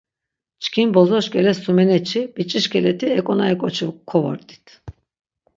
Çkin bozoş k̆ele sumeneçi, biç̆iş k̆ele ti ek̆onayi k̆oçi kovort̆it.